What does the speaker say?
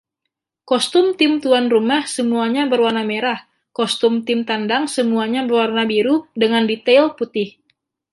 Kostum tim tuan rumah semuanya berwarna merah, kostum tim tandang semuanya berwarna biru dengan detail putih.